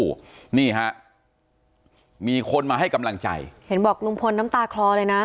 นี่ฮะมีคนมาให้กำลังใจเห็นบอกลุงพลน้ำตาคลอเลยนะ